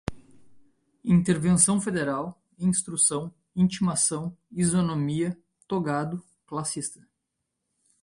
intervenção federal, instrução, intimação, isonomia, togado, classista